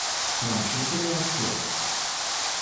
To mam wszystkie wyjąć, czy jak?